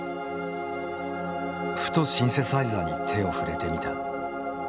ふとシンセサイザーに手を触れてみた。